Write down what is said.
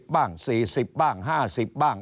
๓๐บ้าง๔๐บ้าง๕๐บ้าง